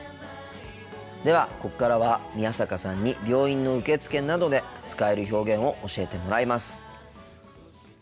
ではここからは宮坂さんに病院の受付などで使える表現を教えてもらいます。